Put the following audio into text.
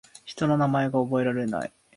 人の名前が覚えられない